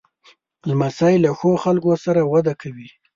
لمسی له ښو خلکو سره وده کوي.